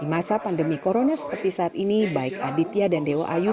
di masa pandemi corona seperti saat ini baik aditya dan dewa ayu